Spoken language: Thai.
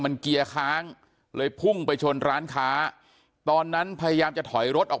มันเกียร์ค้างเลยพุ่งไปชนร้านค้าตอนนั้นพยายามจะถอยรถออก